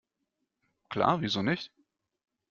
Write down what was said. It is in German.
Klar, wieso nicht?